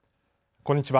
こんにちは。